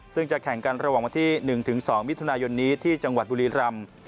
ซึ่งจะแข่งกันระหว่างวันที่๑๒มิถุนายนนี้ที่จังหวัดบุรีรำ